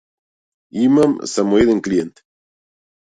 Имам само еден клиент.